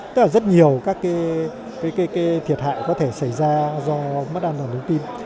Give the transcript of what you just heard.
tức là rất nhiều các thiệt hại có thể xảy ra do mất an toàn thông tin